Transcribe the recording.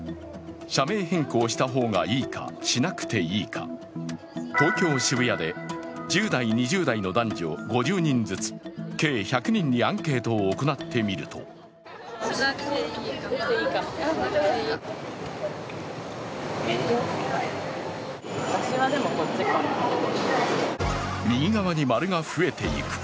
社名変更した方がいいか、しなくていいか、東京・渋谷で１０代、２０代の男女５０人ずつ計１００人にアンケートを行ってみると右側に丸が増えていく。